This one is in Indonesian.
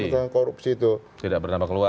penegakan korupsi itu tidak beranapak luas